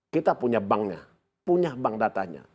kita punya banknya punya bank datanya